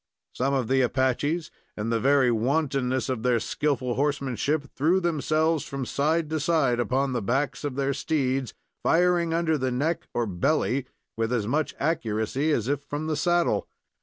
Some of the Apaches, in the very wantonness of their skillful horsemanship, threw themselves from side to side upon the backs of their steeds, firing under the neck or belly with as much accuracy as if from the saddle.